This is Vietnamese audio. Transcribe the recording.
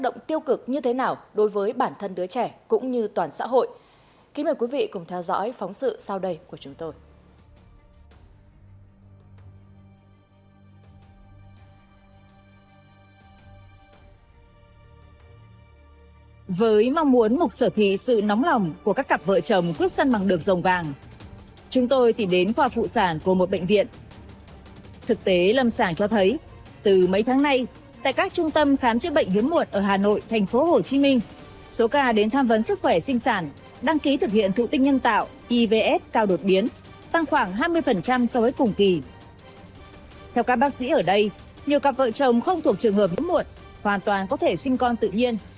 nhiều cặp vợ chồng không thuộc trường hợp hiếm muộn hoàn toàn có thể sinh con tự nhiên